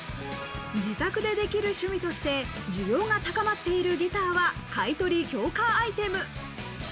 自宅でできる趣味として需要が高まっているギターは買取強化アイテム。